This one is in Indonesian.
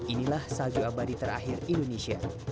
inilah salju abadi terakhir indonesia